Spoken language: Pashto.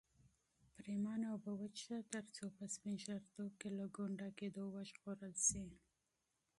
پرېمانه اوبه وڅښه ترڅو په سپین ږیرتوب کې له ګونډه کېدو وژغورل شې.